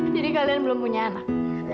jadi kalian belum punya anak